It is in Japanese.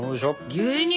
牛乳？